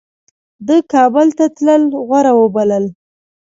ده کابل ته تلل غوره وبلل.